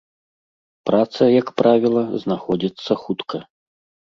Праца, як правіла, знаходзіцца хутка.